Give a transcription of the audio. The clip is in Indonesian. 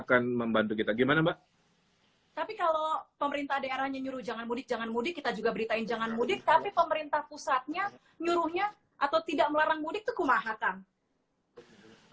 beritain jangan mudik tapi pemerintah pusatnya nyuruhnya atau tidak melarang mudik itu kumah